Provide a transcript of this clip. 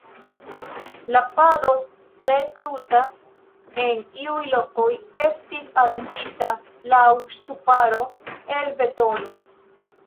La pado, tre kruta en iuj lokoj, estis aranĝita laŭ ŝtuparo el betono.